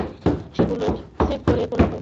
সেগুলো শেভ করে তোলা হয়েছিল।